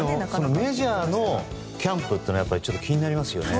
メジャーのキャンプというのは気になりますよね。